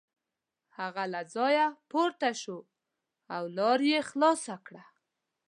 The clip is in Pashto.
هغه له ځایه پورته شو او لار یې خلاصه کړه.